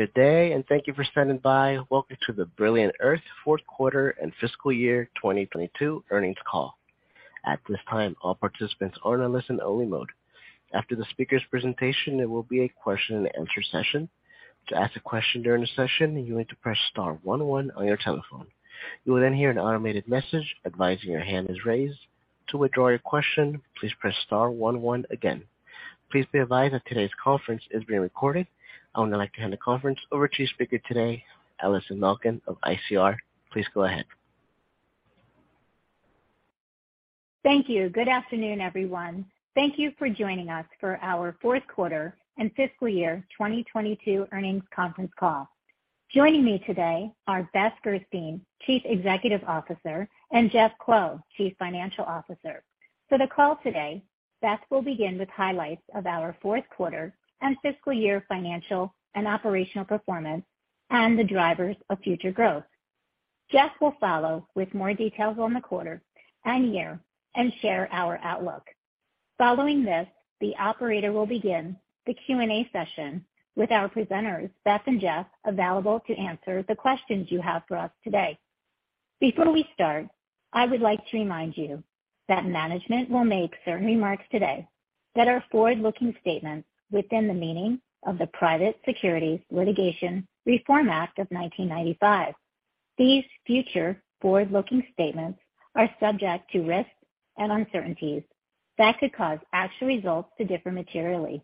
Good day, thank you for standing by. Welcome to the Brilliant Earth Q4 and fiscal year 2022 Earnings Call. At this time, all participants are in a listen only mode. After the speaker's presentation, there will be a Q&A session. To ask a question during the session, you need to press star one one on your telephone. You will hear an automated message advising your hand is raised. To withdraw your question, please press star one one again. Please be advised that today's conference is being recorded. I would now like to hand the conference over to speaker today, Allison Malkin of ICR. Please go ahead. Thank you. Good afternoon, everyone. Thank you for joining us for our Q4 and fiscal year 2022 earnings conference call. Joining me today are Beth Gerstein, Chief Executive Officer, and Jeff Kuo, Chief Financial Officer. For the call today, Beth will begin with highlights of our Q4 and fiscal year financial and operational performance and the drivers of future growth. Jeff will follow with more details on the quarter and year and share our outlook. Following this, the operator will begin the Q&A session with our presenters, Beth and Jeff, available to answer the questions you have for us today. Before we start, I would like to remind you that management will make certain remarks today that are forward-looking statements within the meaning of the Private Securities Litigation Reform Act of 1995. These future forward-looking statements are subject to risks and uncertainties that could cause actual results to differ materially.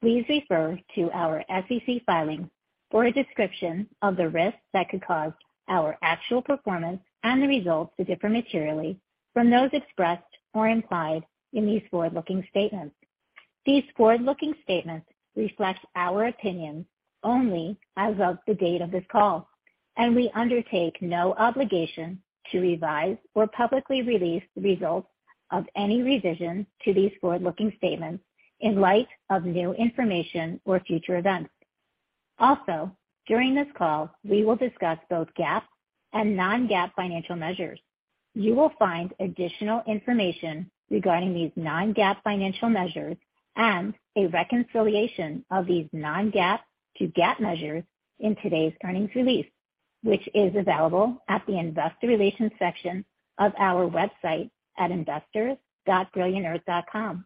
Please refer to our SEC filings for a description of the risks that could cause our actual performance and the results to differ materially from those expressed or implied in these forward-looking statements. These forward-looking statements reflect our opinions only as of the date of this call, and we undertake no obligation to revise or publicly release the results of any revision to these forward-looking statements in light of new information or future events. Also, during this call, we will discuss both GAAP and non-GAAP financial measures. You will find additional information regarding these non-GAAP financial measures and a reconciliation of these non-GAAP to GAAP measures in today's earnings release, which is available at the investor relations section of our website at investors.brilliantearth.com.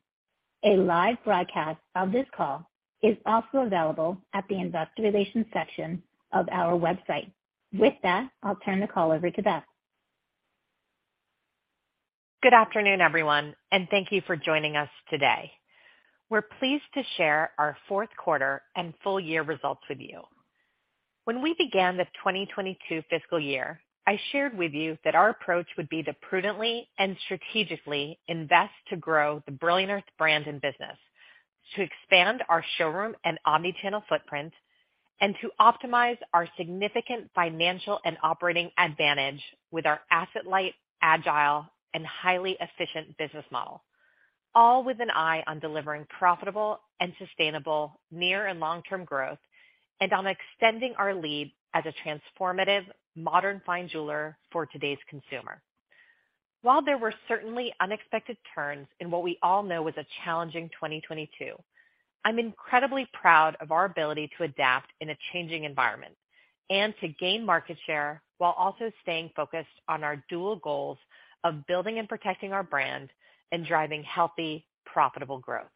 A live broadcast of this call is also available at the investor relations section of our website. With that, I'll turn the call over to Beth. Good afternoon, everyone. Thank you for joining us today. We're pleased to share our Q4 and full year results with you. When we began the 2022 fiscal year, I shared with you that our approach would be to prudently and strategically invest to grow the Brilliant Earth brand and business, to expand our showroom and omnichannel footprint, and to optimize our significant financial and operating advantage with our asset-light, agile, and highly efficient business model, all with an eye on delivering profitable and sustainable near and long-term growth and on extending our lead as a transformative modern fine jeweler for today's consumer. While there were certainly unexpected turns in what we all know was a challenging 2022, I'm incredibly proud of our ability to adapt in a changing environment and to gain market share while also staying focused on our dual goals of building and protecting our brand and driving healthy, profitable growth.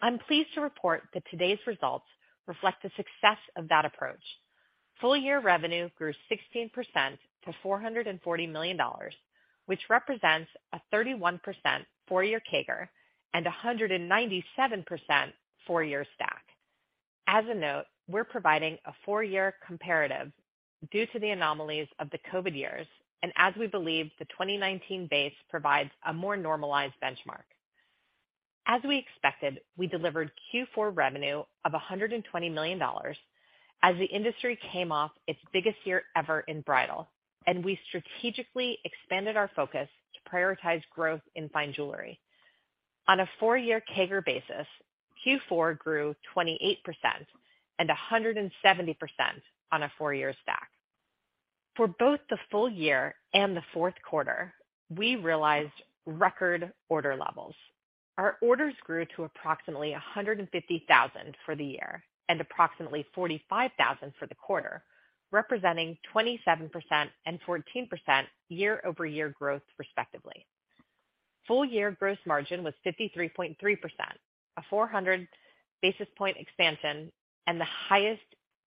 I'm pleased to report that today's results reflect the success of that approach. Full year revenue grew 16% to $440 million, which represents a 31% four-year CAGR and a 197% four-year stack. As a note, we're providing a four-year comparative due to the anomalies of the COVID years and as we believe the 2019 base provides a more normalized benchmark. As we expected, we delivered Q4 revenue of $120 million as the industry came off its biggest year ever in bridal. We strategically expanded our focus to prioritize growth in Fine Jewelry. On a four-year CAGR basis, Q4 grew 28% and 170% on a four-year stack. For both the full year and the Q4, we realized record order levels. Our orders grew to approximately 150,000 for the year and approximately 45,000 for the quarter, representing 27% and 14% year-over-year growth, respectively. Full year gross margin was 53.3%, a 400 basis point expansion and the highest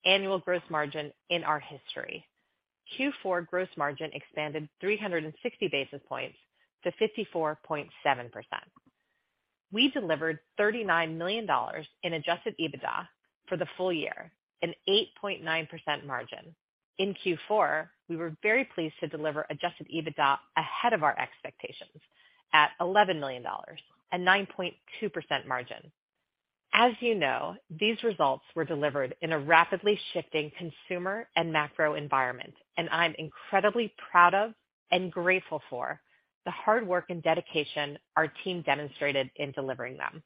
annual gross margin in our history. Q4 gross margin expanded 360 basis points to 54.7%. We delivered $39 million in adjusted EBITDA for the full year, an 8.9% margin. In Q4, we were very pleased to deliver adjusted EBITDA ahead of our expectations at $11 million, a 9.2% margin. As you know, these results were delivered in a rapidly shifting consumer and macro environment, and I'm incredibly proud of and grateful for the hard work and dedication our team demonstrated in delivering them.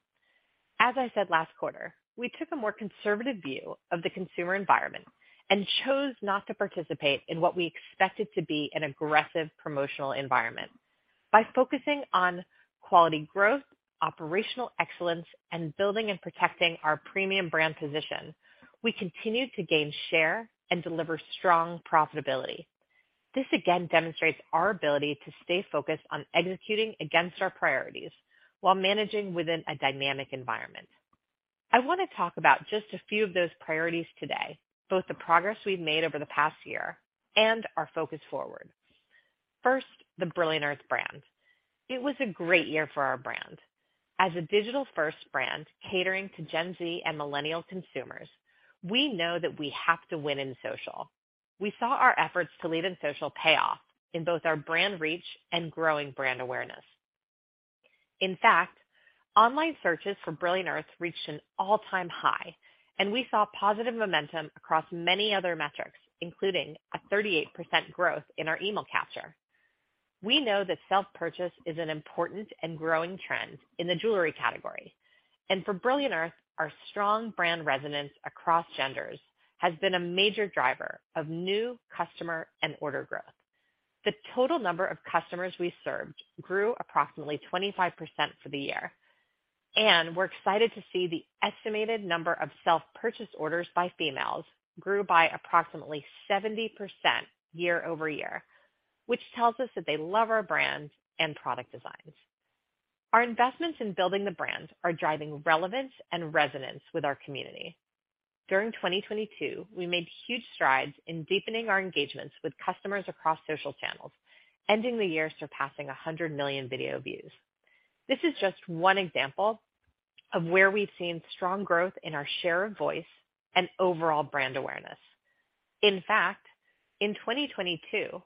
As I said last quarter, we took a more conservative view of the consumer environment and chose not to participate in what we expected to be an aggressive promotional environment. By focusing on quality growth, operational excellence, and building and protecting our premium brand position, we continue to gain share and deliver strong profitability. This again demonstrates our ability to stay focused on executing against our priorities while managing within a dynamic environment. I wanna talk about just a few of those priorities today, both the progress we've made over the past year and our focus forward. First, the Brilliant Earth brand. It was a great year for our brand. As a digital-first brand catering to Gen Z and millennial consumers, we know that we have to win in social. We saw our efforts to lead in social pay off in both our brand reach and growing brand awareness. In fact, online searches for Brilliant Earth reached an all-time high, and we saw positive momentum across many other metrics, including a 38% growth in our email capture. We know that self-purchase is an important and growing trend in the jewelry category. For Brilliant Earth, our strong brand resonance across genders has been a major driver of new customer and order growth. The total number of customers we served grew approximately 25% for the year, and we're excited to see the estimated number of self-purchase orders by females grew by approximately 70% year-over-year, which tells us that they love our brand and product designs. Our investments in building the brand are driving relevance and resonance with our community. During 2022, we made huge strides in deepening our engagements with customers across social channels, ending the year surpassing 100 million video views. This is just one example of where we've seen strong growth in our share of voice and overall brand awareness. In fact, in 2022,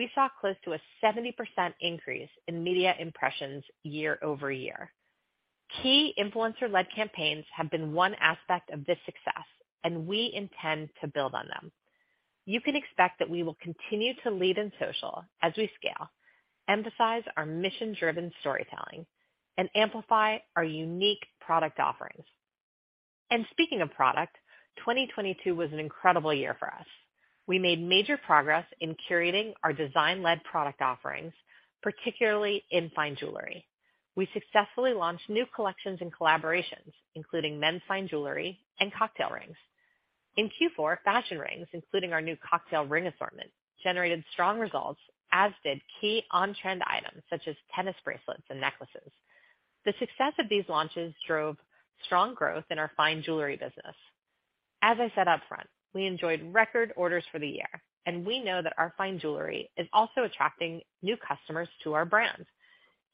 we saw close to a 70% increase in media impressions year-over-year. Key influencer-led campaigns have been one aspect of this success, and we intend to build on them. You can expect that we will continue to lead in social as we scale, emphasize our mission-driven storytelling, and amplify our unique product offerings. Speaking of product, 2022 was an incredible year for us. We made major progress in curating our design-led product offerings, particularly in Fine Jewelry. We successfully launched new collections and collaborations, including men's Fine Jewelry and cocktail rings. In Q4, fashion rings, including our new cocktail ring assortment, generated strong results, as did key on-trend items such as tennis bracelets and necklaces. The success of these launches drove strong growth in our Fine Jewelry business. As I said upfront, we enjoyed record orders for the year, we know that our Fine Jewelry is also attracting new customers to our brands.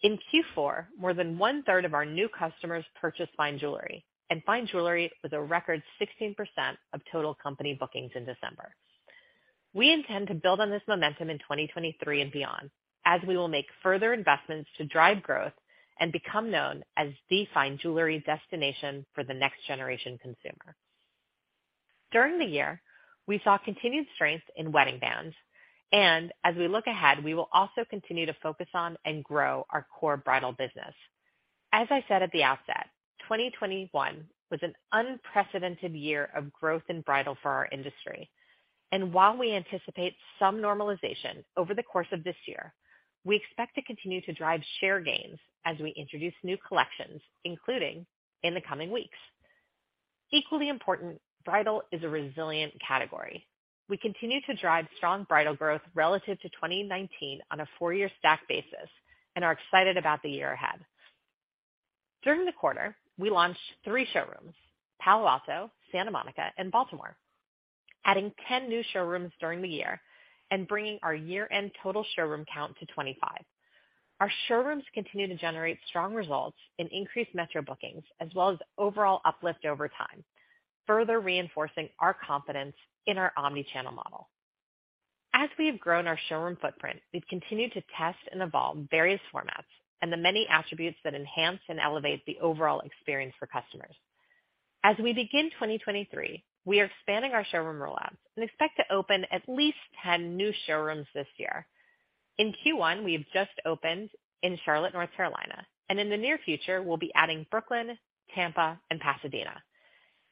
In Q4, more than one-third of our new customers purchased Fine Jewelry, and Fine Jewelry was a record 16% of total company bookings in December. We intend to build on this momentum in 2023 and beyond as we will make further investments to drive growth and become known as the Fine Jewelry destination for the next generation consumer. During the year, we saw continued strength in wedding bands, and as we look ahead, we will also continue to focus on and grow our core bridal business. As I said at the outset, 2021 was an unprecedented year of growth in bridal for our industry. While we anticipate some normalization over the course of this year, we expect to continue to drive share gains as we introduce new collections, including in the coming weeks. Equally important, bridal is a resilient category. We continue to drive strong bridal growth relative to 2019 on a four-year stack basis and are excited about the year ahead. During the quarter, we launched three showrooms, Palo Alto, Santa Monica, and Baltimore, adding 10 new showrooms during the year and bringing our year-end total showroom count to 25. Our showrooms continue to generate strong results in increased metro bookings as well as overall uplift over time, further reinforcing our confidence in our omnichannel model. As we have grown our showroom footprint, we've continued to test and evolve various formats and the many attributes that enhance and elevate the overall experience for customers. As we begin 2023, we are expanding our showroom rollout and expect to open at least 10 new showrooms this year. In Q1, we have just opened in Charlotte, North Carolina, and in the near future, we'll be adding Brooklyn, Tampa, and Pasadena.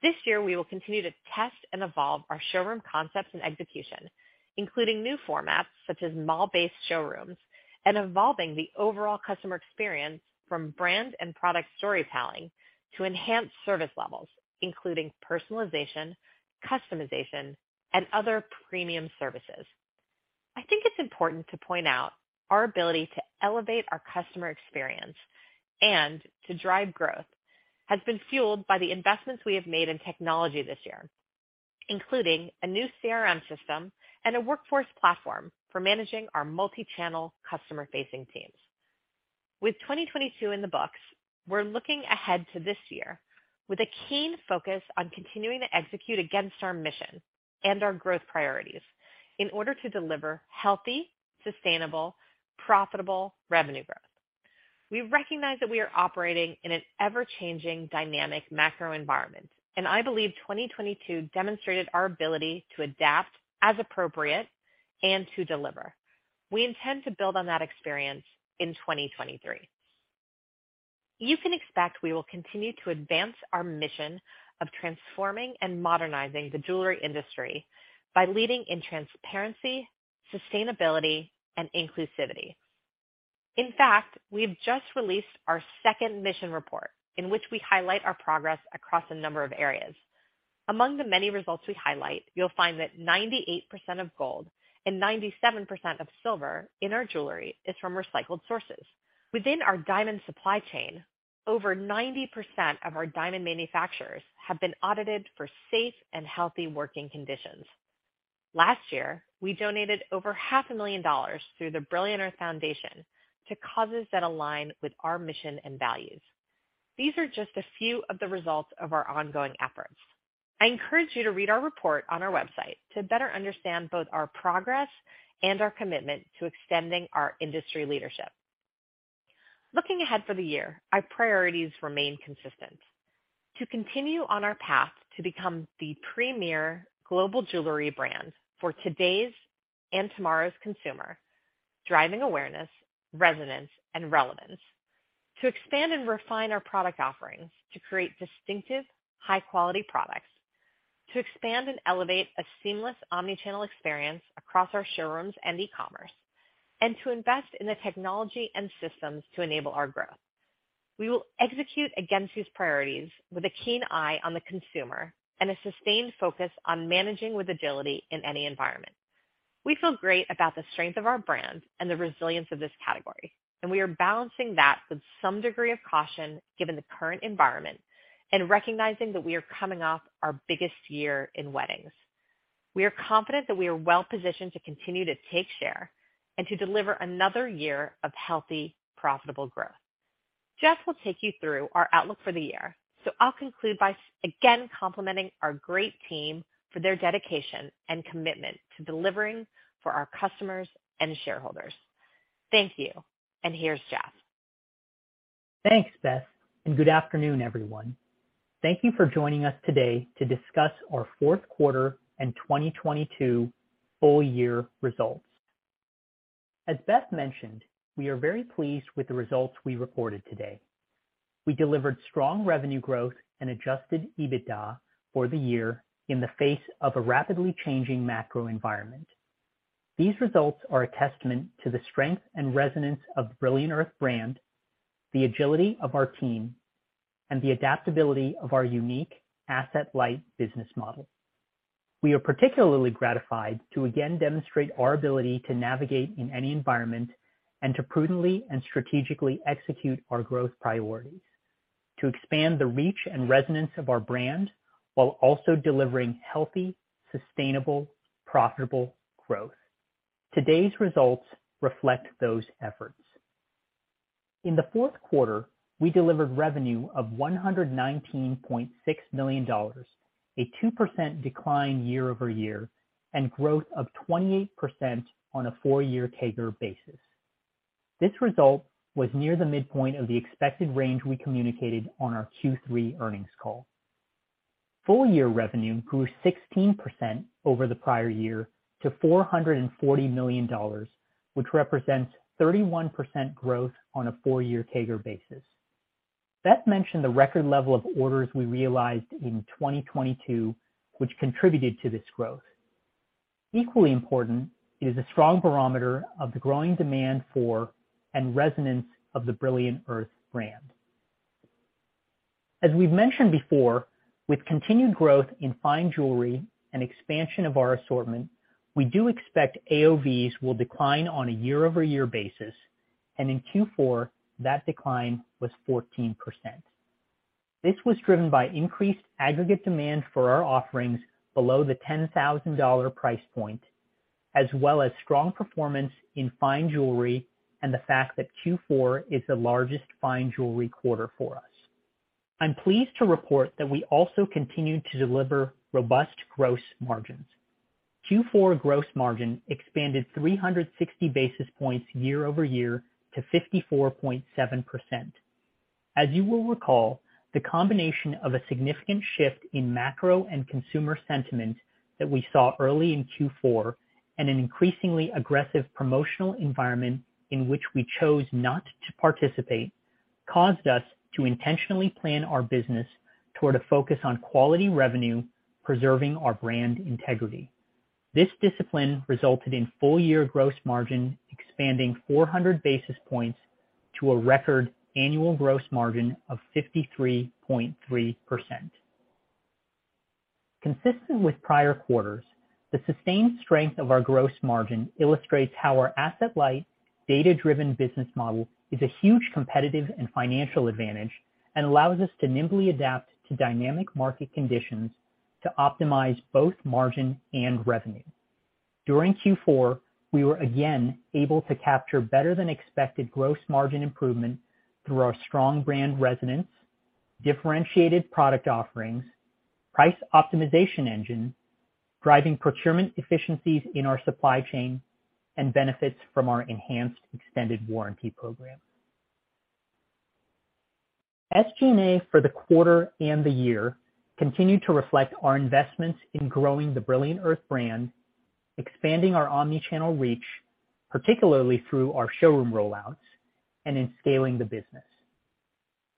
This year, we will continue to test and evolve our showroom concepts and execution, including new formats such as mall-based showrooms and evolving the overall customer experience from brand and product storytelling to enhanced service levels, including personalization, customization, and other premium services. I think it's important to point out our ability to elevate our customer experience and to drive growth has been fueled by the investments we have made in technology this year, including a new CRM system and a workforce platform for managing our multi-channel customer-facing teams. With 2022 in the books, we're looking ahead to this year with a keen focus on continuing to execute against our mission and our growth priorities in order to deliver healthy, sustainable, profitable revenue growth. We recognize that we are operating in an ever-changing dynamic macro environment, I believe 2022 demonstrated our ability to adapt as appropriate and to deliver. We intend to build on that experience in 2023. You can expect we will continue to advance our mission of transforming and modernizing the jewelry industry by leading in transparency, sustainability, and inclusivity. In fact, we have just released our second mission report, in which we highlight our progress across a number of areas. Among the many results we highlight, you'll find that 98% of gold and 97% of silver in our jewelry is from recycled sources. Within our diamond supply chain, over 90% of our diamond manufacturers have been audited for safe and healthy working conditions. Last year, we donated over $500,000 million through the Brilliant Earth Foundation to causes that align with our mission and values. These are just a few of the results of our ongoing efforts. I encourage you to read our report on our website to better understand both our progress and our commitment to extending our industry leadership. Looking ahead for the year, our priorities remain consistent. To continue on our path to become the premier global jewelry brand for today's and tomorrow's consumer, driving awareness, resonance, and relevance. To expand and refine our product offerings to create distinctive, high-quality products. To expand and elevate a seamless omnichannel experience across our showrooms and e-commerce. To invest in the technology and systems to enable our growth. We will execute against these priorities with a keen eye on the consumer and a sustained focus on managing with agility in any environment. We feel great about the strength of our brand and the resilience of this category. We are balancing that with some degree of caution given the current environment and recognizing that we are coming off our biggest year in weddings. We are confident that we are well-positioned to continue to take share and to deliver another year of healthy, profitable growth. Jeff will take you through our outlook for the year. I'll conclude by, again, complimenting our great team for their dedication and commitment to delivering for our customers and shareholders. Thank you. Here's Jeff. Thanks, Beth. Good afternoon, everyone. Thank you for joining us today to discuss our Q4 and 2022 full year results. As Beth mentioned, we are very pleased with the results we reported today. We delivered strong revenue growth and adjusted EBITDA for the year in the face of a rapidly changing macro environment. These results are a testament to the strength and resonance of Brilliant Earth brand, the agility of our team, and the adaptability of our unique asset-light business model. We are particularly gratified to again demonstrate our ability to navigate in any environment and to prudently and strategically execute our growth priorities. To expand the reach and resonance of our brand while also delivering healthy, sustainable, profitable growth. Today's results reflect those efforts. In the Q4, we delivered revenue of $119.6 million, a 2% decline year-over-year, and growth of 28% on a four-year CAGR basis. This result was near the midpoint of the expected range we communicated on our Q3 earnings call. Full year revenue grew 16% over the prior year to $440 million, which represents 31% growth on a four-year CAGR basis. Beth mentioned the record level of orders we realized in 2022, which contributed to this growth. Equally important is a strong barometer of the growing demand for and resonance of the Brilliant Earth brand. As we've mentioned before, with continued growth in Fine Jewelry and expansion of our assortment, we do expect AOVs will decline on a year-over-year basis, and in Q4, that decline was 14%. This was driven by increased aggregate demand for our offerings below the $10,000 price point, as well as strong performance in Fine Jewelry and the fact that Q4 is the largest Fine Jewelry quarter for us. I'm pleased to report that we also continued to deliver robust gross margins. Q4 gross margin expanded 360 basis points year-over-year to 54.7%. As you will recall, the combination of a significant shift in macro and consumer sentiment that we saw early in Q4 and an increasingly aggressive promotional environment in which we chose not to participate, caused us to intentionally plan our business toward a focus on quality revenue, preserving our brand integrity. This discipline resulted in full year gross margin expanding 400 basis points to a record annual gross margin of 53.3%. Consistent with prior quarters, the sustained strength of our gross margin illustrates how our asset-light, data-driven business model is a huge competitive and financial advantage and allows us to nimbly adapt to dynamic market conditions to optimize both margin and revenue. During Q4, we were again able to capture better than expected gross margin improvement through our strong brand resonance, differentiated product offerings, price optimization engine, driving procurement efficiencies in our supply chain, and benefits from our enhanced extended warranty program. SG&A for the quarter and the year continued to reflect our investments in growing the Brilliant Earth brand, expanding our omnichannel reach, particularly through our showroom rollouts and in scaling the business.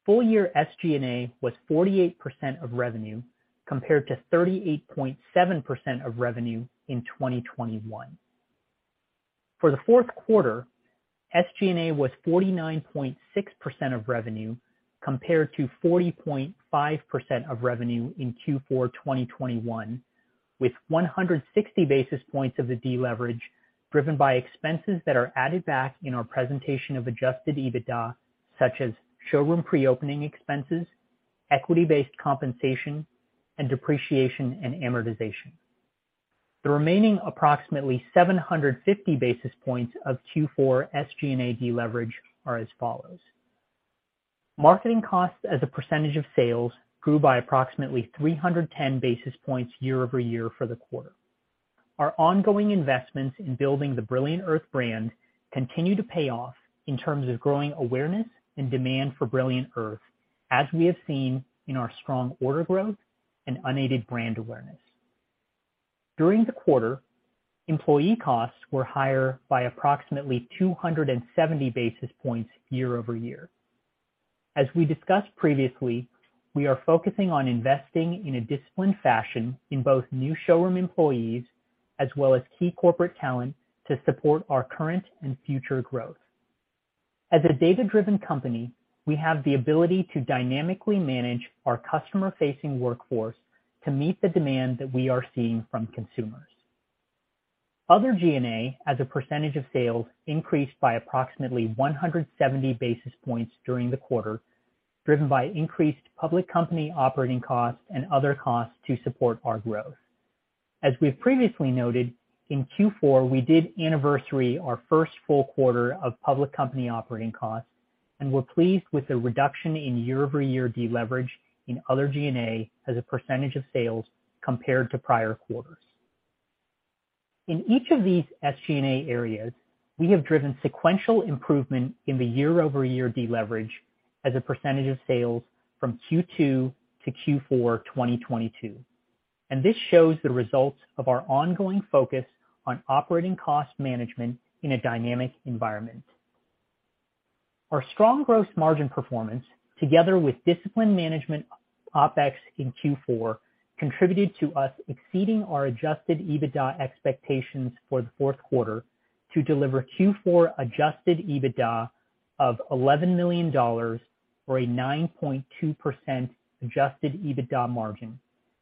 Full year SG&A was 48% of revenue, compared to 38.7% of revenue in 2021. For the Q4, SG&A was 49.6% of revenue compared to 40.5% of revenue in Q4 2021, with 160 basis points of the deleverage driven by expenses that are added back in our presentation of adjusted EBITDA, such as showroom pre-opening expenses, equity-based compensation, and depreciation and amortization. The remaining approximately 750 basis points of Q4 SG&A leverage are as follows. Marketing costs as a percentage of sales grew by approximately 310 basis points year-over-year for the quarter. Our ongoing investments in building the Brilliant Earth brand continue to pay off in terms of growing awareness and demand for Brilliant Earth, as we have seen in our strong order growth and unaided brand awareness. During the quarter, employee costs were higher by approximately 270 basis points year-over-year. As we discussed previously, we are focusing on investing in a disciplined fashion in both new showroom employees as well as key corporate talent to support our current and future growth. As a data-driven company, we have the ability to dynamically manage our customer-facing workforce to meet the demand that we are seeing from consumers. Other G&A as a percentage of sales increased by approximately 170 basis points during the quarter, driven by increased public company operating costs and other costs to support our growth. As we've previously noted, in Q4 we did anniversary our first full quarter of public company operating costs, and we're pleased with the reduction in year-over-year deleverage in other G&A as a percentage of sales compared to prior quarters. In each of these SG&A areas, we have driven sequential improvement in the year-over-year deleverage as a percentage of sales from Q2 to Q4 2022. This shows the results of our ongoing focus on operating cost management in a dynamic environment. Our strong gross margin performance, together with disciplined management OpEx in Q4, contributed to us exceeding our adjusted EBITDA expectations for the Q4 to deliver Q4 adjusted EBITDA of $11 million or a 9.2% adjusted EBITDA margin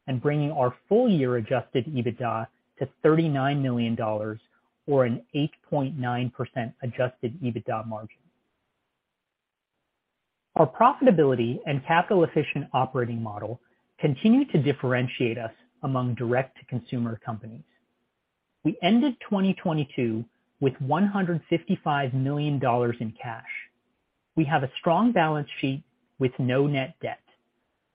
and bringing our full-year adjusted EBITDA to $39 million or an 8.9% adjusted EBITDA margin. Our profitability and capital-efficient operating model continue to differentiate us among direct-to-consumer companies. We ended 2022 with $155 million in cash. We have a strong balance sheet with no net debt.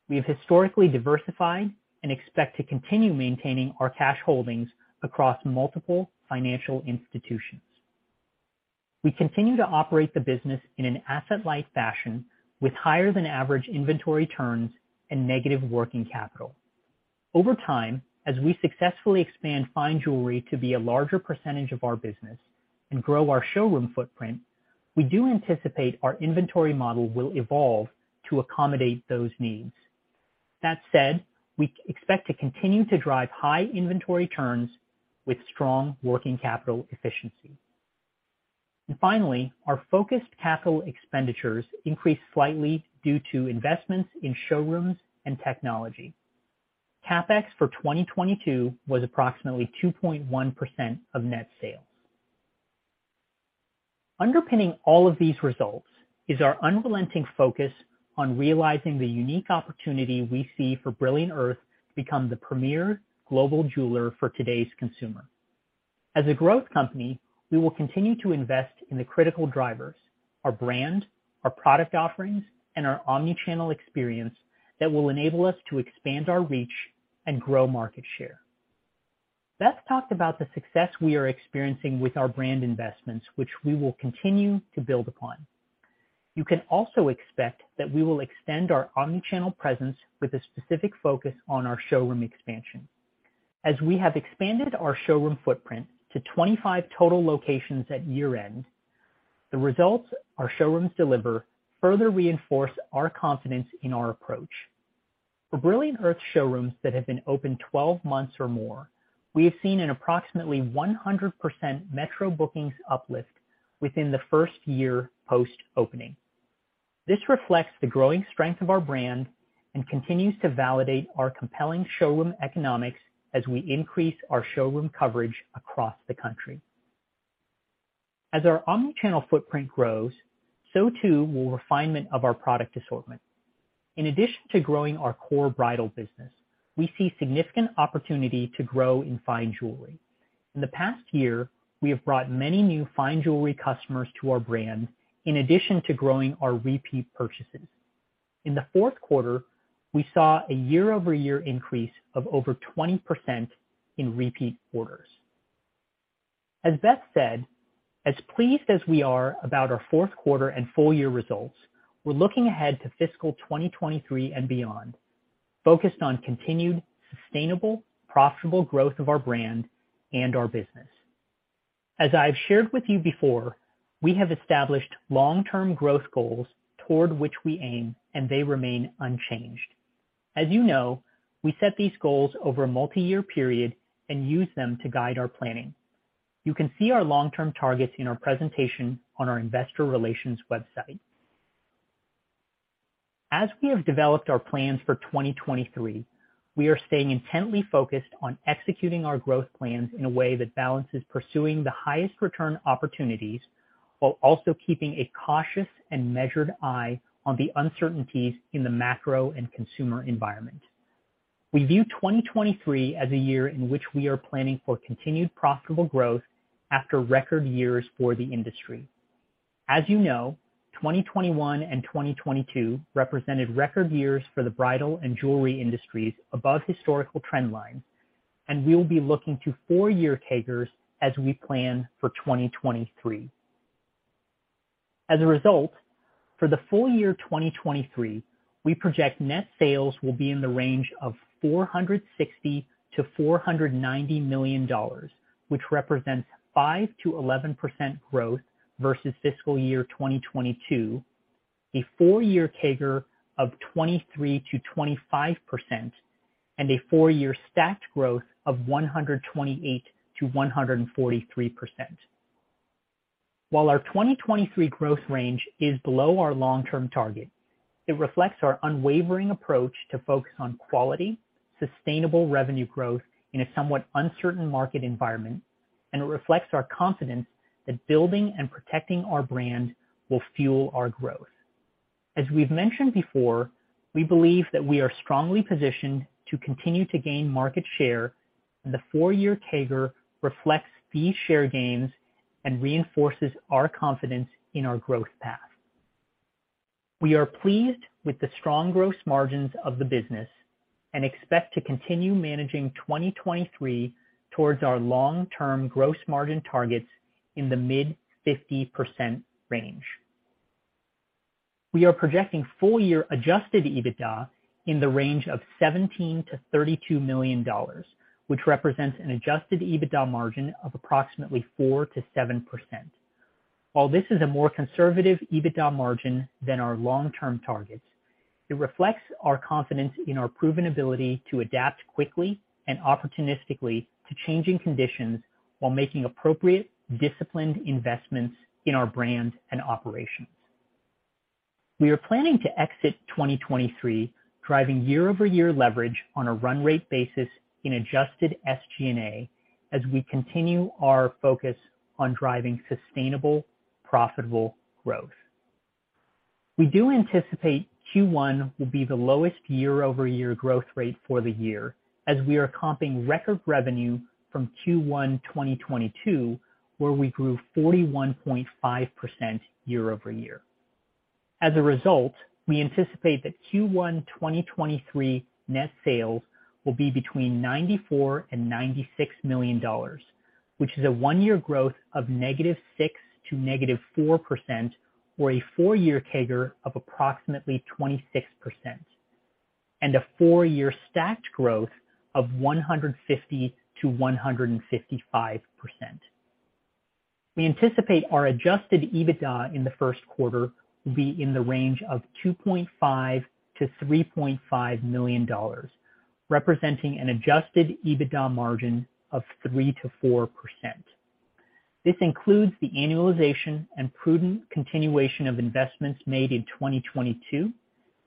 We have historically diversified and expect to continue maintaining our cash holdings across multiple financial institutions. We continue to operate the business in an asset-light fashion with higher than average inventory turns and negative working capital. Over time, as we successfully expand Fine Jewelry to be a larger percentage of our business and grow our showroom footprint, we do anticipate our inventory model will evolve to accommodate those needs. That said, we expect to continue to drive high inventory turns with strong working capital efficiency. Finally, our focused capital expenditures increased slightly due to investments in showrooms and technology. CapEx for 2022 was approximately 2.1% of net sales. Underpinning all of these results is our unrelenting focus on realizing the unique opportunity we see for Brilliant Earth to become the premier global jeweler for today's consumer. As a growth company, we will continue to invest in the critical drivers, our brand, our product offerings, and our omnichannel experience that will enable us to expand our reach and grow market share. Beth talked about the success we are experiencing with our brand investments, which we will continue to build upon. You can also expect that we will extend our omnichannel presence with a specific focus on our showroom expansion. As we have expanded our showroom footprint to 25 total locations at year-end, the results our showrooms deliver further reinforce our confidence in our approach. For Brilliant Earth showrooms that have been open 12 months or more, we have seen an approximately 100% metro bookings uplift within the first year post-opening. This reflects the growing strength of our brand and continues to validate our compelling showroom economics as we increase our showroom coverage across the country. As our omnichannel footprint grows, so too will refinement of our product assortment. In addition to growing our core bridal business, we see significant opportunity to grow in Fine Jewelry. In the past year, we have brought many new Fine Jewelry customers to our brand in addition to growing our repeat purchases. In the Q4, we saw a year-over-year increase of over 20% in repeat orders. As Beth said, as pleased as we are about our Q4 and full-year results, we're looking ahead to fiscal 2023 and beyond. Focused on continued sustainable, profitable growth of our brand and our business. As I've shared with you before, we have established long-term growth goals toward which we aim, and they remain unchanged. As you know, we set these goals over a multiyear period and use them to guide our planning. You can see our long-term targets in our presentation on our investor relations website. As we have developed our plans for 2023, we are staying intently focused on executing our growth plans in a way that balances pursuing the highest return opportunities while also keeping a cautious and measured eye on the uncertainties in the macro and consumer environment. We view 2023 as a year in which we are planning for continued profitable growth after record years for the industry. As you know, 2021 and 2022 represented record years for the bridal and jewelry industries above historical trend line, and we will be looking to four-year CAGRs as we plan for 2023. For the full year 2023, we project net sales will be in the range of $460 million of $490 million, which represents 5% to 11% growth versus fiscal year 2022. A four-year CAGR of 23% to 25% and a four-year stacked growth of 128% to 143%. While our 2023 growth range is below our long-term target, it reflects our unwavering approach to focus on quality, sustainable revenue growth in a somewhat uncertain market environment, and it reflects our confidence that building and protecting our brand will fuel our growth. We believe that we are strongly positioned to continue to gain market share, and the four-year CAGR reflects these share gains and reinforces our confidence in our growth path. We are pleased with the strong gross margins of the business and expect to continue managing 2023 towards our long-term gross margin targets in the mid-50% range. We are projecting full year adjusted EBITDA in the range of $17 million to $32 million, which represents an adjusted EBITDA margin of approximately 4% to 7%. While this is a more conservative EBITDA margin than our long-term targets, it reflects our confidence in our proven ability to adapt quickly and opportunistically to changing conditions while making appropriate, disciplined investments in our brand and operations. We are planning to exit 2023, driving year-over-year leverage on a run rate basis in adjusted SG&A as we continue our focus on driving sustainable, profitable growth. We do anticipate Q1 will be the lowest year-over-year growth rate for the year as we are comping record revenue from Q1 2022, where we grew 41.5% year-over-year. As a result, we anticipate that Q1 2023 net sales will be between $94 million and $96 million, which is a one-year growth of -6% to -4% or a four-year CAGR of approximately 26% and a four-year stacked growth of 150% to 155%. We anticipate our adjusted EBITDA in the Q1 will be in the range of $2.5 million to $3.5 million, representing an adjusted EBITDA margin of 3% to 4%. This includes the annualization and prudent continuation of investments made in 2022,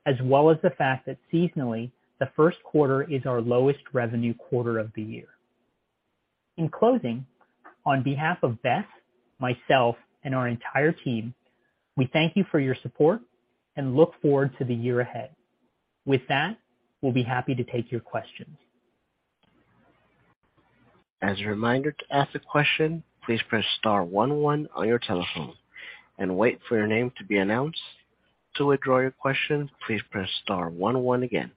as well as the fact that seasonally, the Q1 is our lowest revenue quarter of the year. In closing, on behalf of Beth, myself, and our entire team, we thank you for your support and look forward to the year ahead. With that, we'll be happy to take your questions. As a reminder to ask a question, please press star one, one on your telephone and wait for your name to be announced. To withdraw your question, please press star one, one again.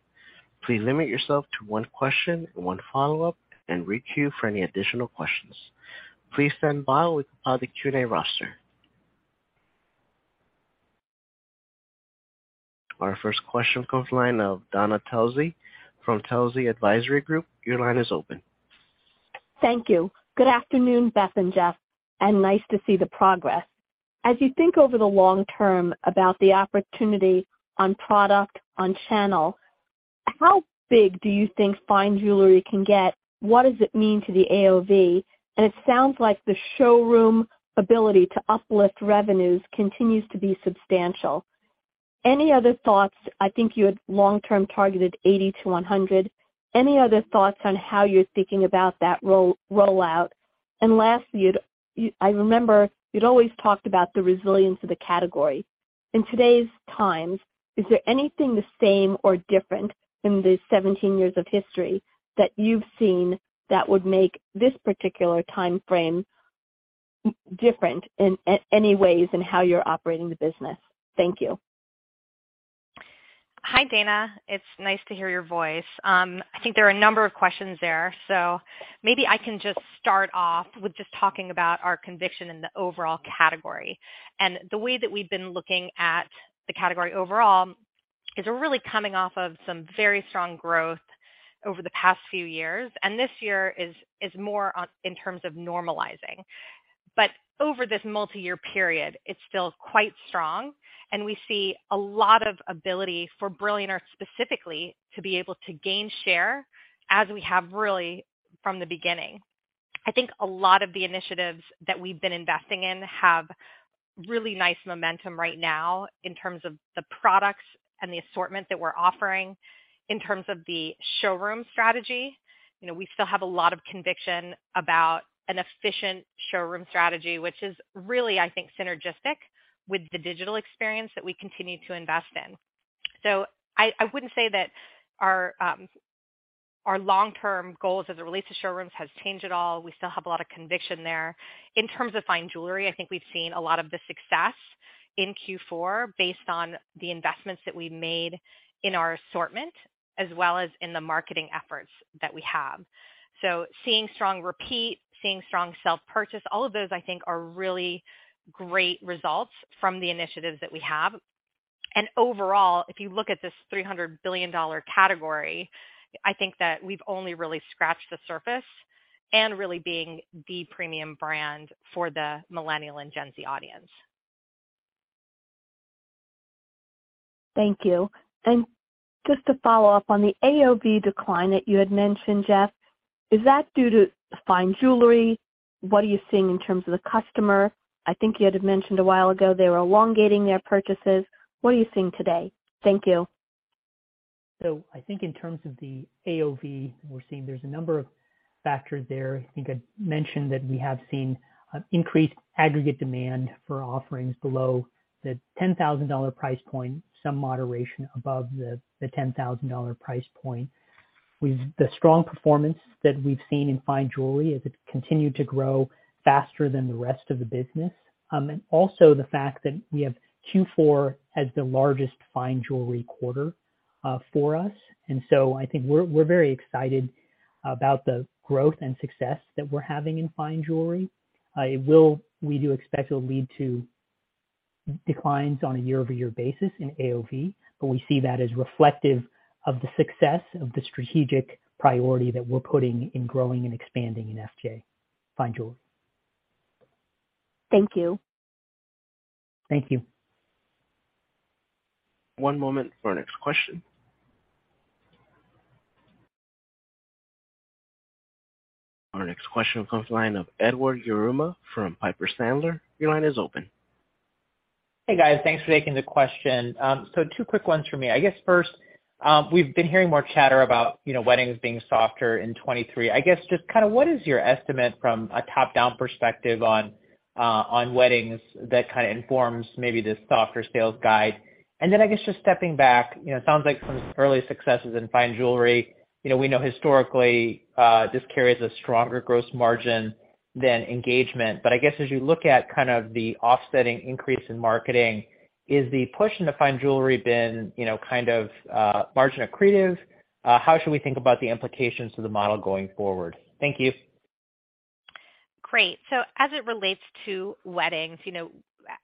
Please limit yourself to one question and one follow-up. Queue for any additional questions. Please stand by while we compile the Q&A roster. Our first question comes line of Dana Telsey from Telsey Advisory Group. Your line is open. Thank you. Good afternoon, Beth and Jeff, and nice to see the progress. As you think over the long term about the opportunity on product, on channel, how big do you think Fine Jewelry can get? What does it mean to the AOV? It sounds like the showroom ability to uplift revenues continues to be substantial. Any other thoughts? I think you had long-term targeted 80 to 100. Any other thoughts on how you're thinking about that rollout? Lastly, I remember you'd always talked about the resilience of the category. In today's times, is there anything the same or different in the 17 years of history that you've seen that would make this particular timeframe different in any ways in how you're operating the business? Thank you. Hi, Dana. It's nice to hear your voice. I think there are a number of questions there. Maybe I can just start off with just talking about our conviction in the overall category. The way that we've been looking at the category overall We're really coming off of some very strong growth over the past few years, and this year is more on in terms of normalizing. Over this multi-year period, it's still quite strong, and we see a lot of ability for Brilliant Earth specifically to be able to gain share as we have really from the beginning. I think a lot of the initiatives that we've been investing in have really nice momentum right now in terms of the products and the assortment that we're offering. In terms of the showroom strategy, you know, we still have a lot of conviction about an efficient showroom strategy, which is really, I think, synergistic with the digital experience that we continue to invest in. I wouldn't say that our long-term goals as it relates to showrooms has changed at all. We still have a lot of conviction there. In terms of Fine Jewelry, I think we've seen a lot of the success in Q4 based on the investments that we made in our assortment as well as in the marketing efforts that we have. Seeing strong repeat, seeing strong self-purchase, all of those I think are really great results from the initiatives that we have. Overall, if you look at this $300 billion category, I think that we've only really scratched the surface and really being the premium brand for the millennial and Gen Z audience. Thank you. Just to follow up on the AOV decline that you had mentioned, Jeff, is that due to Fine Jewelry? What are you seeing in terms of the customer? I think you had mentioned a while ago they were elongating their purchases. What are you seeing today? Thank you. I think in terms of the AOV we're seeing, there's a number of factors there. I think I mentioned that we have seen increased aggregate demand for offerings below the $10,000 price point, some moderation above the $10,000 price point. The strong performance that we've seen in Fine Jewelry as it's continued to grow faster than the rest of the business. Also the fact that we have Q4 as the largest Fine Jewelry quarter for us. I think we're very excited about the growth and success that we're having in Fine Jewelry. We do expect it'll lead to declines on a year-over-year basis in AOV, but we see that as reflective of the success of the strategic priority that we're putting in growing and expanding in FJ, Fine Jewelry. Thank you. Thank you. One moment for our next question. Our next question comes from the line of Edward Yruma from Piper Sandler. Your line is open. Hey, guys. Thanks for taking the question. Two quick ones from me. I guess first, we've been hearing more chatter about, you know, weddings being softer in 2023. I guess just kinda what is your estimate from a top-down perspective on weddings that kinda informs maybe this softer sales guide. I guess just stepping back, you know, it sounds like some early successes in Fine Jewelry. You know, we know historically, this carries a stronger gross margin than engagement. I guess as you look at kind of the offsetting increase in marketing, is the push into Fine Jewelry been, you know, kind of, margin accretive? How should we think about the implications to the model going forward? Thank you. Great. As it relates to weddings, you know,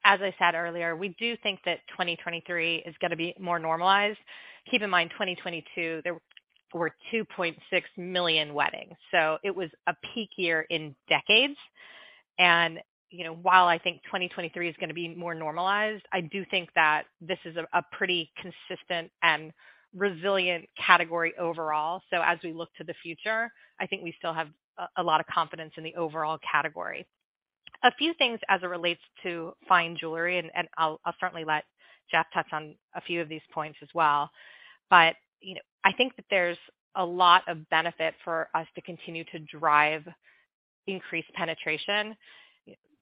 as I said earlier, we do think that 2023 is gonna be more normalized. Keep in mind, 2022, there were 2.6 million weddings, so it was a peak year in decades. You know, while I think 2023 is gonna be more normalized, I do think that this is a pretty consistent and resilient category overall. As we look to the future, I think we still have a lot of confidence in the overall category. A few things as it relates to Fine Jewelry, and I'll certainly let Jeff touch on a few of these points as well. You know, I think that there's a lot of benefit for us to continue to drive increased penetration.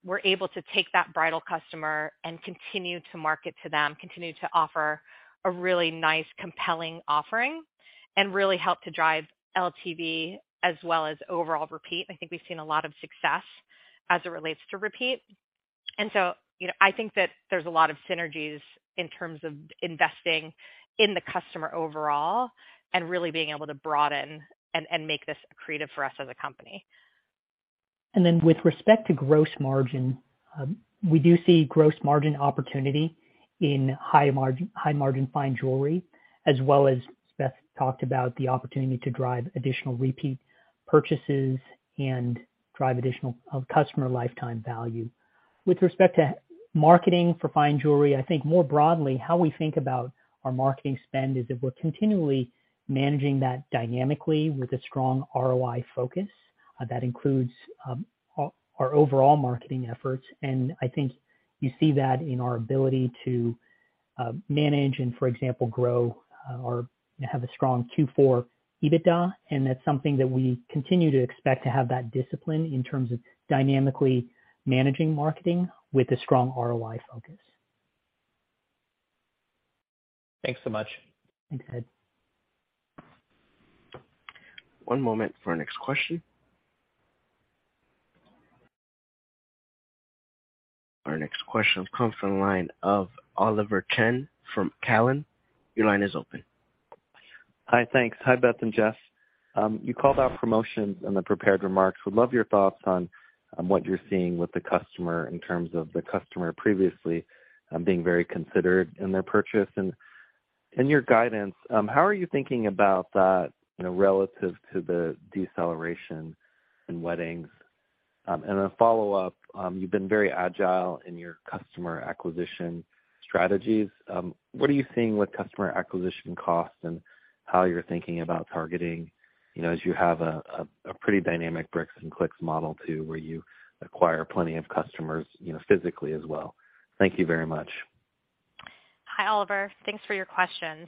We're able to take that bridal customer and continue to market to them, continue to offer a really nice, compelling offering, and really help to drive LTV as well as overall repeat. I think we've seen a lot of success as it relates to repeat. You know, I think that there's a lot of synergies in terms of investing in the customer overall and really being able to broaden and make this accretive for us as a company. With respect to gross margin, we do see gross margin opportunity in high margin Fine Jewelry, as well as Beth talked about the opportunity to drive additional repeat purchases and drive additional customer lifetime value. With respect to marketing for Fine Jewelry, I think more broadly, how we think about our marketing spend is that we're continually managing that dynamically with a strong ROI focus, that includes our overall marketing efforts. I think you see that in our ability to manage and, for example, grow or have a strong Q4 EBITDA, and that's something that we continue to expect to have that discipline in terms of dynamically managing marketing with a strong ROI focus. Thanks so much. Thanks, Ed. One moment for our next question. Our next question comes from the line of Oliver Chen from Cowen. Your line is open. Hi, thanks. Hi, Beth and Jeff. You called out promotions in the prepared remarks. Would love your thoughts on what you're seeing with the customer in terms of the customer previously being very considered in their purchase. Your guidance, how are you thinking about that, you know, relative to the deceleration in weddings? A follow-up, you've been very agile in your customer acquisition strategies. What are you seeing with customer acquisition costs and how you're thinking about targeting, you know, as you have a pretty dynamic bricks and clicks model too, where you acquire plenty of customers, you know, physically as well? Thank you very much. Hi, Oliver. Thanks for your questions.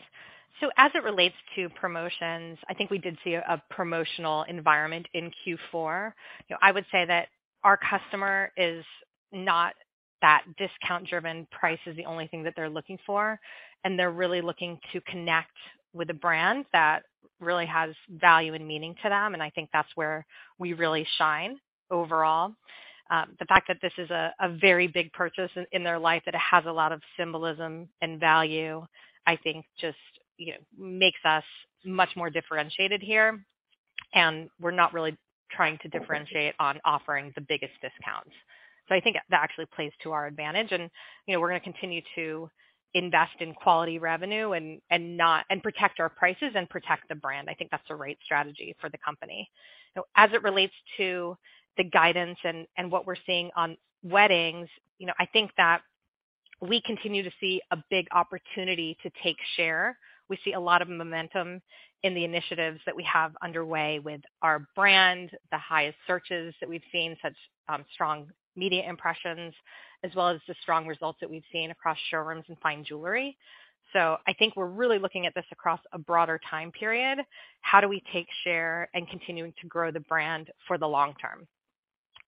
As it relates to promotions, I think we did see a promotional environment in Q4. You know, I would say that our customer is not that discount driven. Price is the only thing that they're looking for, and they're really looking to connect with a brand that really has value and meaning to them, and I think that's where we really shine overall. The fact that this is a very big purchase in their life, that it has a lot of symbolism and value, I think just, you know, makes us much more differentiated here. We're not really trying to differentiate on offering the biggest discounts. I think that actually plays to our advantage. You know, we're gonna continue to invest in quality revenue and protect our prices and protect the brand. I think that's the right strategy for the company. As it relates to the guidance and what we're seeing on weddings, you know, I think that we continue to see a big opportunity to take share. We see a lot of momentum in the initiatives that we have underway with our brand, the highest searches that we've seen, such strong media impressions, as well as the strong results that we've seen across showrooms and Fine Jewelry. I think we're really looking at this across a broader time period. How do we take share and continuing to grow the brand for the long term?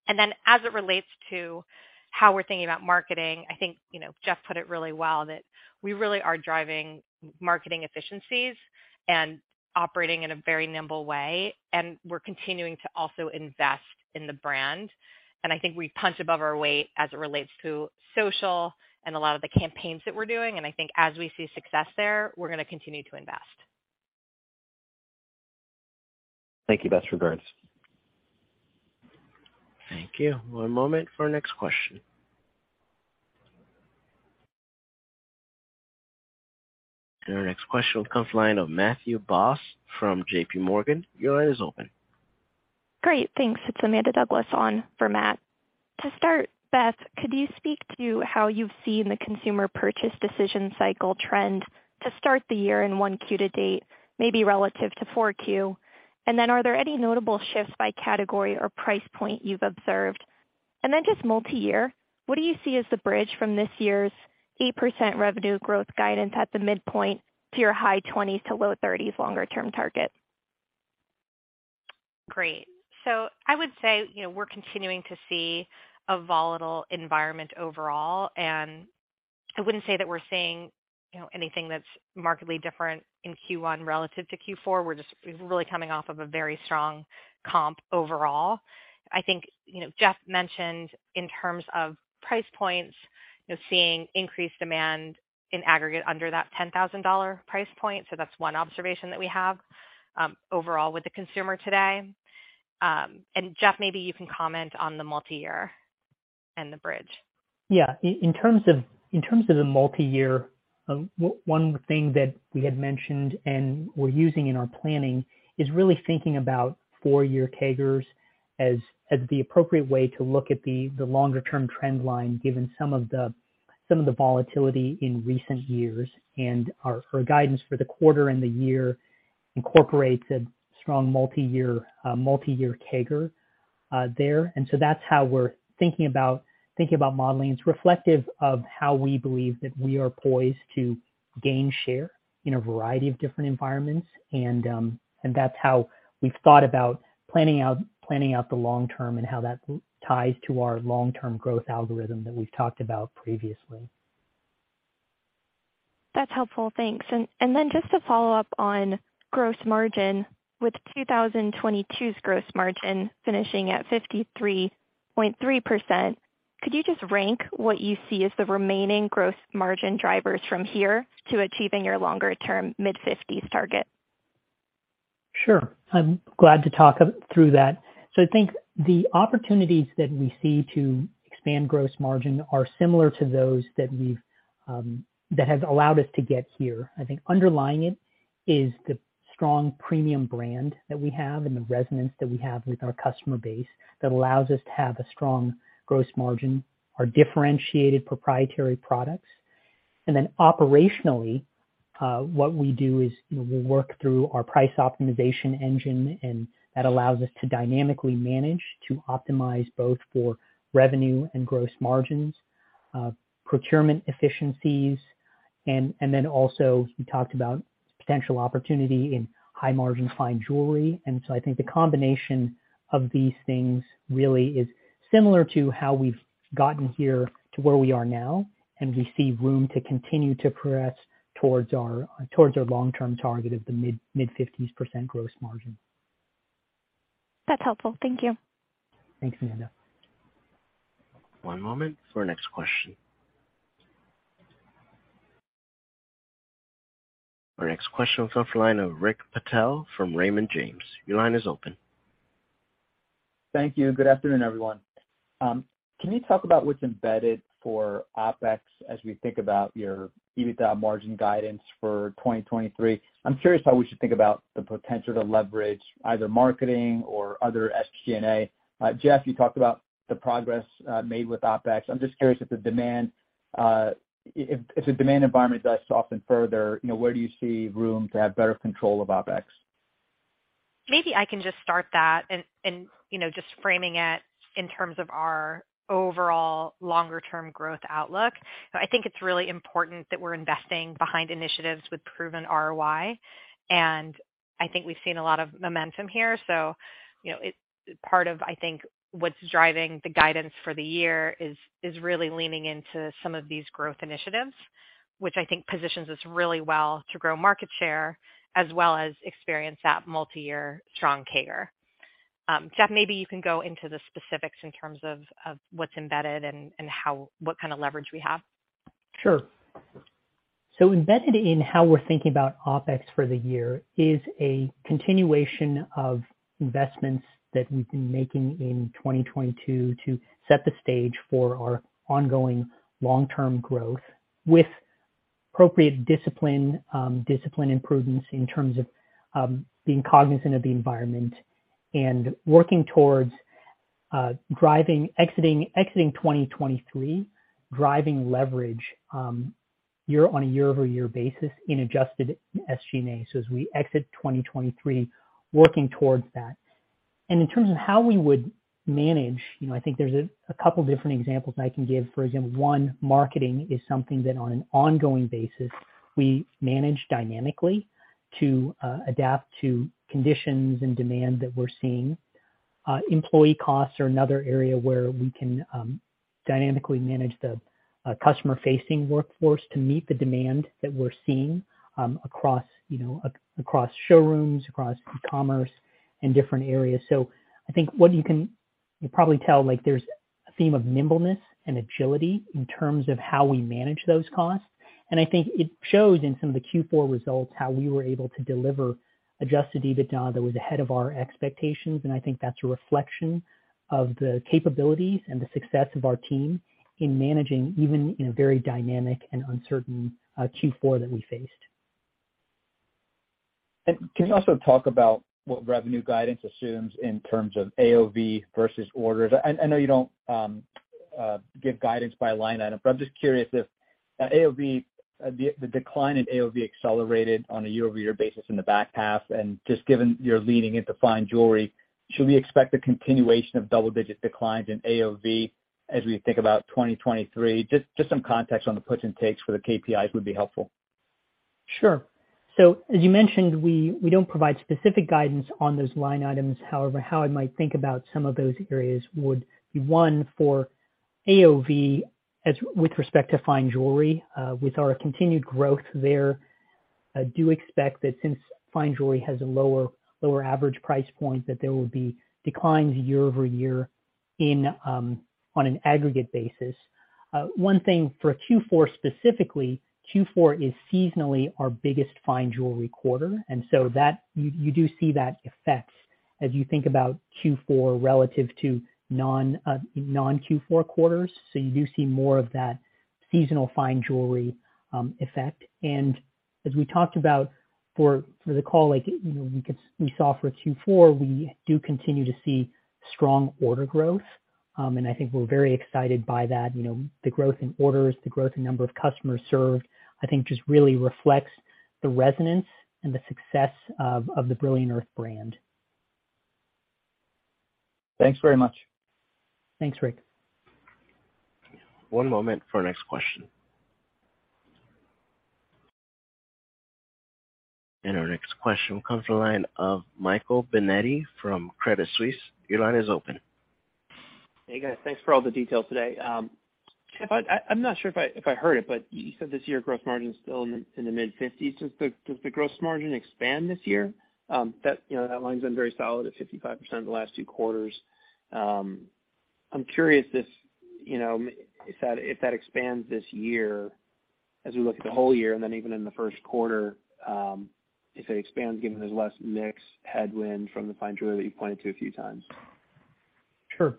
Then as it relates to how we're thinking about marketing, I think, you know, Jeff put it really well that we really are driving marketing efficiencies and operating in a very nimble way, and we're continuing to also invest in the brand. I think we punch above our weight as it relates to social and a lot of the campaigns that we're doing, and I think as we see success there, we're gonna continue to invest. Thank you, Beth. Thanks. Thank you. One moment for our next question. Our next question comes line of Matthew Boss from JPMorgan. Your line is open. Great. Thanks. It's Amanda Douglas on for Matt. To start, Beth, could you speak to how you've seen the consumer purchase decision cycle trend to start the year in Q1 to date, maybe relative to Q4? Are there any notable shifts by category or price point you've observed? Just multi-year, what do you see as the bridge from this year's 8% revenue growth guidance at the midpoint to your high 20s to low 30s longer term target? Great. I would say, you know, we're continuing to see a volatile environment overall, and I wouldn't say that we're seeing, you know, anything that's markedly different in Q1 relative to Q4. We're really coming off of a very strong comp overall. I think, you know, Jeff mentioned in terms of price points, you know, seeing increased demand in aggregate under that $10,000 price point. That's one observation that we have overall with the consumer today. Jeff, maybe you can comment on the multi-year and the bridge. Yeah. In terms of the multi-year, one thing that we had mentioned and we're using in our planning is really thinking about four-year CAGRs as the appropriate way to look at the longer term trend line, given some of the volatility in recent years. Our guidance for the quarter and the year incorporates a strong multi-year CAGR there. That's how we're thinking about modeling. It's reflective of how we believe that we are poised to gain share in a variety of different environments. That's how we've thought about planning out the long term and how that ties to our long-term growth algorithm that we've talked about previously. That's helpful. Thanks. Then just to follow up on gross margin, with 2022's gross margin finishing at 53.3%, could you just rank what you see as the remaining gross margin drivers from here to achieving your longer term mid-50s target? Sure. I'm glad to talk through that. I think the opportunities that we see to expand gross margin are similar to those that we've that have allowed us to get here. I think underlying it is the strong premium brand that we have and the resonance that we have with our customer base that allows us to have a strong gross margin, our differentiated proprietary products. Then operationally, what we do is, you know, we work through our price optimization engine, and that allows us to dynamically manage to optimize both for revenue and gross margins, procurement efficiencies, and then also we talked about potential opportunity in high margin Fine Jewelry. I think the combination of these things really is similar to how we've gotten here to where we are now, and we see room to continue to progress towards our long-term target of the mid-50s% gross margin. That's helpful. Thank you. Thanks, Amanda. One moment for our next question. Our next question comes from the line of Rakesh Patel from Raymond James. Your line is open. Thank you. Good afternoon, everyone. Can you talk about what's embedded for OpEx as we think about your EBITDA margin guidance for 2023? I'm curious how we should think about the potential to leverage either marketing or other SG&A. Jeff, you talked about the progress made with OpEx. I'm just curious if the demand environment does soften further, you know, where do you see room to have better control of OpEx? Maybe I can just start that, you know, just framing it in terms of our overall longer-term growth outlook. I think it's really important that we're investing behind initiatives with proven ROI. I think we've seen a lot of momentum here. You know, it's part of, I think, what's driving the guidance for the year is really leaning into some of these growth initiatives, which I think positions us really well to grow market share as well as experience that multi-year strong CAGR. Jeff, maybe you can go into the specifics in terms of what's embedded and what kind of leverage we have. Sure. Embedded in how we're thinking about OpEx for the year is a continuation of investments that we've been making in 2022 to set the stage for our ongoing long-term growth with appropriate discipline and prudence in terms of being cognizant of the environment and working towards driving, exiting 2023, driving leverage on a year-over-year basis in adjusted SG&A. As we exit 2023, working towards that. In terms of how we would manage, you know, I think there's a couple different examples I can give. For example, one, marketing is something that on an ongoing basis, we manage dynamically to adapt to conditions and demand that we're seeing. Employee costs are another area where we can dynamically manage the customer-facing workforce to meet the demand that we're seeing, across, you know, across showrooms, across e-commerce and different areas. I think what you can probably tell, like there's a theme of nimbleness and agility in terms of how we manage those costs. I think it shows in some of the Q4 results how we were able to deliver adjusted EBITDA that was ahead of our expectations. I think that's a reflection of the capabilities and the success of our team in managing even in a very dynamic and uncertain Q4 that we faced. Can you also talk about what revenue guidance assumes in terms of AOV versus orders? I know you don't give guidance by line item, but I'm just curious if AOV, the decline in AOV accelerated on a year-over-year basis in the back half. Just given you're leaning into Fine Jewelry, should we expect a continuation of double-digit declines in AOV as we think about 2023? Just some context on the puts and takes for the KPIs would be helpful. Sure. As you mentioned, we don't provide specific guidance on those line items. However, how I might think about some of those areas would be, one, for AOV as with respect to Fine Jewelry, with our continued growth there, I do expect that since Fine Jewelry has a lower average price point, that there will be declines year-over-year in on an aggregate basis. One thing for Q4 specifically, Q4 is seasonally our biggest Fine Jewelry quarter. You do see that effect as you think about Q4 relative to non-Q4 quarters. You do see more of that seasonal Fine Jewelry effect. As we talked about for the call, like, you know, we saw for Q4, we do continue to see strong order growth. I think we're very excited by that. You know, the growth in orders, the growth in number of customers served, I think just really reflects the resonance and the success of the Brilliant Earth brand. Thanks very much. Thanks, Rick. One moment for our next question. Our next question comes from the line of Michael Binetti from Credit Suisse. Your line is open. Hey, guys. Thanks for all the detail today. Jeff, I'm not sure if I heard it, but you said this year gross margin is still in the mid-50s. Does the gross margin expand this year? That, you know, that line's been very solid at 55% the last two quarters. I'm curious if, you know, if that expands this year as we look at the whole year and then even in the Q1, if it expands given there's less mix headwind from the Fine Jewelry that you pointed to a few times. Sure.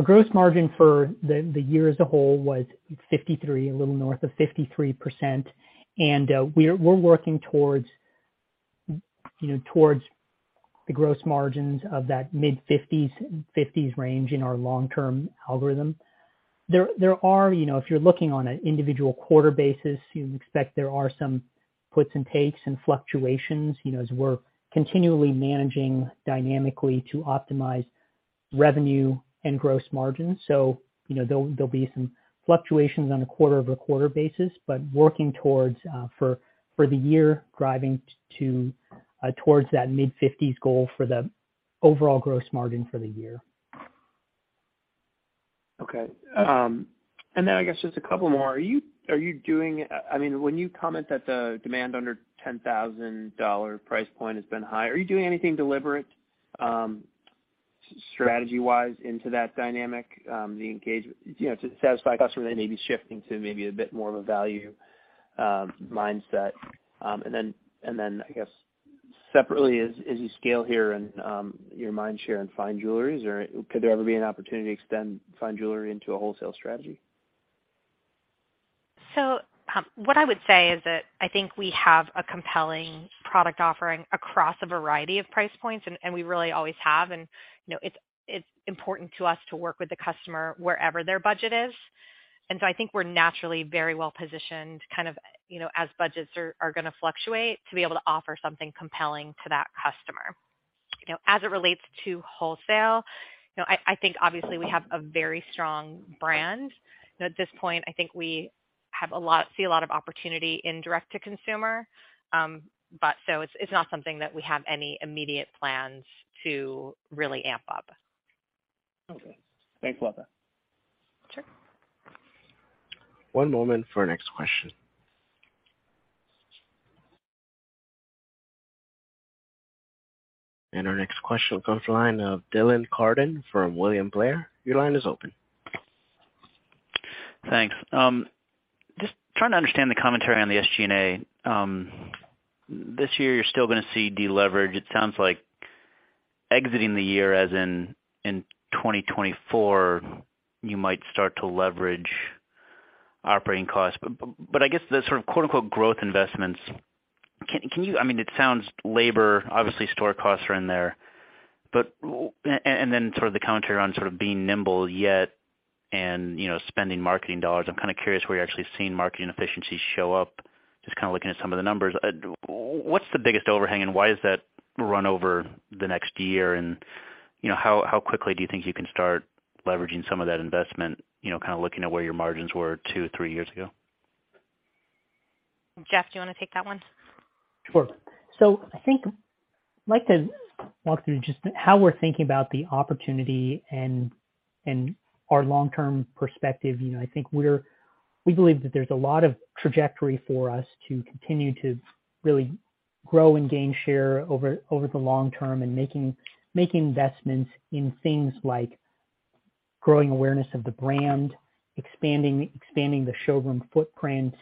Our gross margin for the year as a whole was 53, a little north of 53%. We're working towards, you know, towards the gross margins of that mid-50s, 50s range in our long-term algorithm. There are, you know, if you're looking on an individual quarter basis, you'd expect there are some puts and takes and fluctuations, you know, as we're continually managing dynamically to optimize revenue and gross margin. There'll be some fluctuations on a quarter-over-quarter basis, but working towards for the year, driving to towards that mid-50s goal for the overall gross margin for the year. I guess just a couple more. Are you doing, I mean, when you comment that the demand under $10,000 price point has been high, are you doing anything deliberate, strategy wise into that dynamic, the engage, you know, to satisfy a customer that may be shifting to maybe a bit more of a value mindset? I guess separately, as you scale here and, your mind share in Fine Jewelry, or could there ever be an opportunity to extend Fine Jewelry into a wholesale strategy? What I would say is that I think we have a compelling product offering across a variety of price points, and we really always have. You know, it's important to us to work with the customer wherever their budget is. I think we're naturally very well positioned, kind of, you know, as budgets are gonna fluctuate, to be able to offer something compelling to that customer. As it relates to wholesale, you know, I think obviously we have a very strong brand. At this point, I think we see a lot of opportunity in direct-to-consumer. But it's not something that we have any immediate plans to really amp up. Okay. Thanks, Beth. Sure. One moment for our next question. Our next question comes the line of Dylan Carden from William Blair. Your line is open. Thanks. Just trying to understand the commentary on the SG&A. This year, you're still gonna see deleverage. It sounds like exiting the year as in 2024, you might start to leverage operating costs. But I guess the sort of quote-unquote, growth investments. I mean, it sounds labor, obviously store costs are in there, but and then sort of the commentary on sort of being nimble yet and, you know, spending marketing dollars. I'm kinda curious where you're actually seeing marketing efficiencies show up. Just kinda looking at some of the numbers. What's the biggest overhang, and why is that run over the next year? You know, how quickly do you think you can start leveraging some of that investment, you know, kinda looking at where your margins were two or three years ago? Jeff, do you wanna take that one? Sure. I think I'd like to walk through just how we're thinking about the opportunity and our long-term perspective. You know, I think we believe that there's a lot of trajectory for us to continue to really grow and gain share over the long term and making investments in things like growing awareness of the brand, expanding the showroom footprint,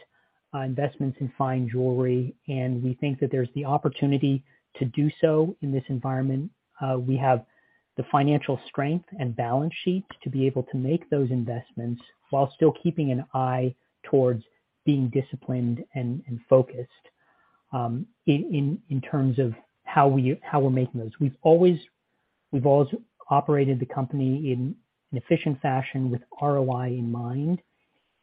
investments in Fine Jewelry. We think that there's the opportunity to do so in this environment. We have the financial strength and balance sheet to be able to make those investments while still keeping an eye towards being disciplined and focused in terms of how we're making those. We've always operated the company in an efficient fashion with ROI in mind.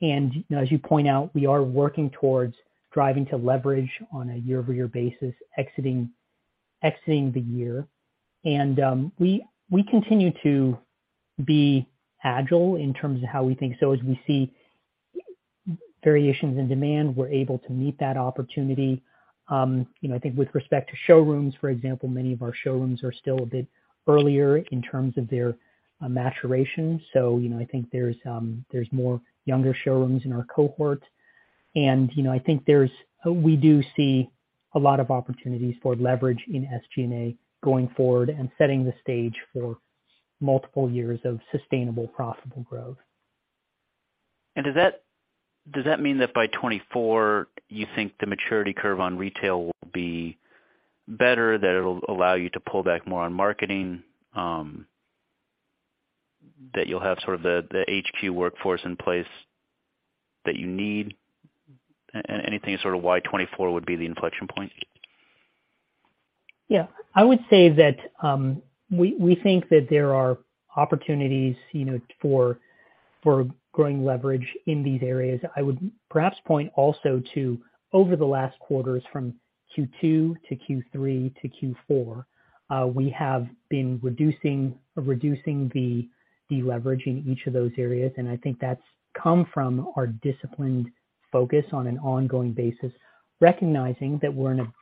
You know, as you point out, we are working towards driving to leverage on a year-over-year basis exiting the year. We continue to be agile in terms of how we think. As we see variations in demand, we're able to meet that opportunity. You know, I think with respect to showrooms, for example, many of our showrooms are still a bit earlier in terms of their maturation. You know, I think there's more younger showrooms in our cohort. We do see a lot of opportunities for leverage in SG&A going forward and setting the stage for multiple years of sustainable profitable growth. Does that mean that by 2024 you think the maturity curve on retail will be better, that it'll allow you to pull back more on marketing, that you'll have sort of the HQ workforce in place that you need? Anything sort of why 2024 would be the inflection point? I would say that we think that there are opportunities, you know, for growing leverage in these areas. I would perhaps point also to over the last quarters, from Q2 to Q3 to Q4, we have been reducing the deleverage in each of those areas. I think that's come from our disciplined focus on an ongoing basis, recognizing that we're in a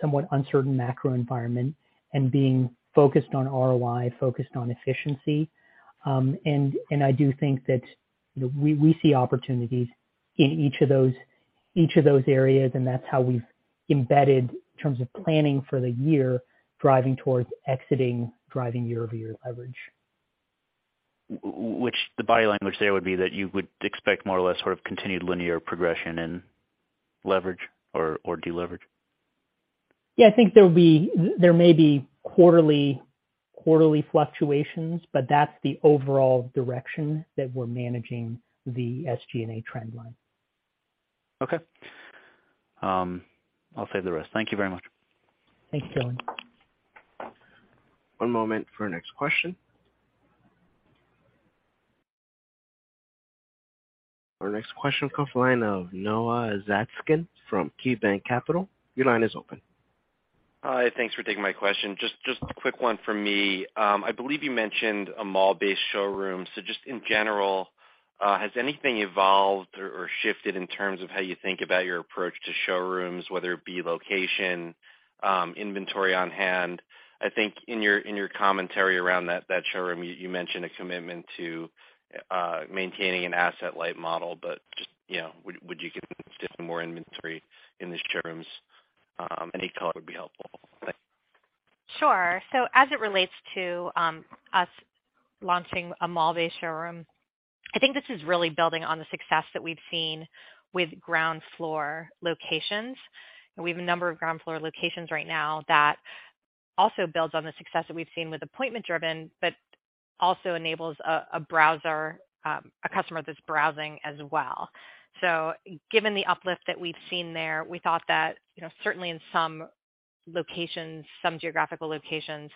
somewhat uncertain macro environment and being focused on ROI, focused on efficiency. I do think that, you know, we see opportunities in each of those areas, and that's how we've embedded in terms of planning for the year, driving towards exiting, driving year-over-year leverage. Which the body language there would be that you would expect more or less sort of continued linear progression in leverage or deleverage. Yeah. There may be quarterly fluctuations, but that's the overall direction that we're managing the SG&A trend line. I'll save the rest. Thank you very much. Thanks, Dylan. One moment for our next question. Our next question comes line of Noah Zatzkin from KeyBanc Capital. Your line is open. Hi. Thanks for taking my question. Just a quick one from me. I believe you mentioned a mall-based showroom. Just in general, has anything evolved or shifted in terms of how you think about your approach to showrooms, whether it be location, inventory on hand? I think in your commentary around that showroom, you mentioned a commitment to maintaining an asset-light model. Just, you know, would you give just some more inventory in these showrooms? Any color would be helpful. Thanks. Sure. As it relates to us launching a mall-based showroom, I think this is really building on the success that we've seen with ground floor locations. We have a number of ground floor locations right now that also builds on the success that we've seen with appointment-driven, but also enables a browser, a customer that's browsing as well. Given the uplift that we've seen there, we thought that, you know, certainly in some locations, some geographical locations,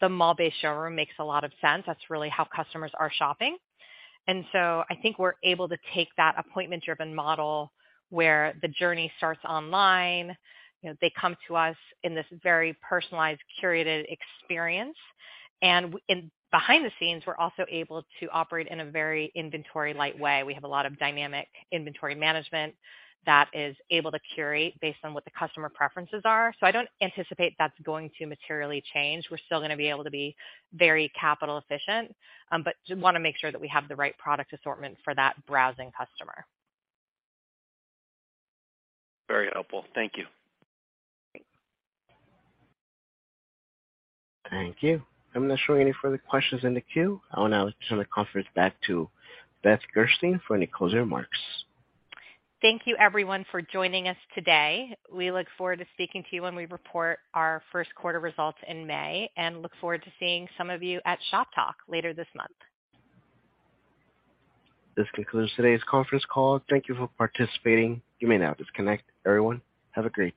the mall-based showroom makes a lot of sense. That's really how customers are shopping. I think we're able to take that appointment-driven model where the journey starts online. You know, they come to us in this very personalized, curated experience. And behind the scenes, we're also able to operate in a very inventory light way. We have a lot of dynamic inventory management that is able to curate based on what the customer preferences are. I don't anticipate that's going to materially change. We're still going to be able to be very capital efficient, but just want to make sure that we have the right product assortment for that browsing customer. Very helpful. Thank you. Thank you. I'm not showing any further questions in the queue. I want to turn the conference back to Beth Gerstein for any closing remarks. Thank you everyone for joining us today. We look forward to speaking to you when we report our Q1 results in May, and look forward to seeing some of you at Shoptalk later this month. This concludes today's conference call. Thank you for participating. You may now disconnect. Everyone, have a great day.